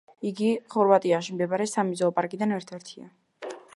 იგი ხორვატიაში მდებარე სამი ზოოპარკიდან ერთ-ერთია.